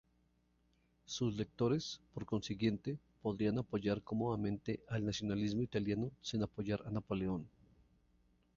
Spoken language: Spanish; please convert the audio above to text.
Sus lectores, por consiguiente, podrían apoyar cómodamente al nacionalismo italiano sin apoyar a Napoleón.